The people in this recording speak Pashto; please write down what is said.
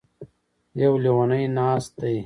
يـو ليونی نـاست دی.